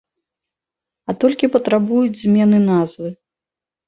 А толькі патрабуюць змены назвы.